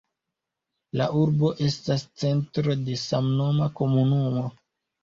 La urbo estas centro de samnoma komunumo.